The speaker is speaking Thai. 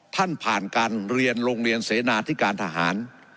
ผ่านการเรียนโรงเรียนเสนาที่การทหาร